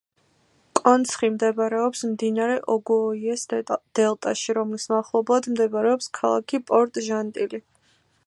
კონცხი მდებარეობს მდინარე ოგოუეს დელტაში, რომლის მახლობლად მდებარეობს ქალაქი პორტ-ჟანტილი.